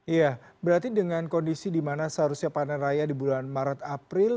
iya berarti dengan kondisi di mana seharusnya panen raya di bulan maret april